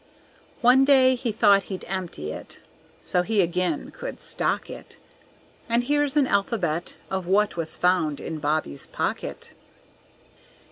One day he thought he'd empty it (so he again could stock it); And here's an alphabet of what was found in Bobby's pocket.